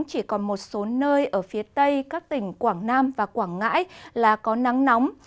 chỉ còn một số nơi ở phía tây các tỉnh quảng nam và quảng ngãi là có nắng nóng